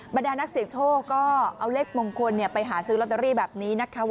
ดานักเสี่ยงโชคก็เอาเลขมงคลไปหาซื้อลอตเตอรี่แบบนี้นะคะ